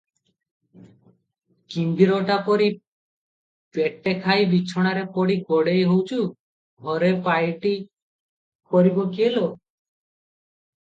କିମ୍ଭୀରଟା ପରି ପେଟେ ଖାଇ ବିଛଣାରେ ପଡ଼ି ଗଡ଼େଇ ହେଉଛୁ, ଘରେ ପାଇଟି କରିବ କିଏ ଲୋ?